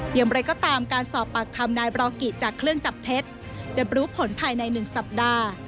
อย่างไรก็ตามการสอบปากคำนายบรอกิจากเครื่องจับเท็จจะรู้ผลภายใน๑สัปดาห์